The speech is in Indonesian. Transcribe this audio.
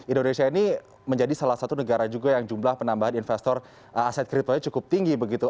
indonesia ini menjadi salah satu negara juga yang jumlah penambahan investor aset kriptonya cukup tinggi begitu